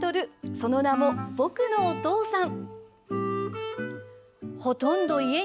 その名も「ぼくのお父さん」。